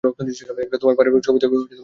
তোমার পারিবারিক ছবিতেও সে আছে।